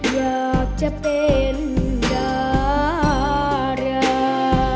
อยากจะเป็นดารา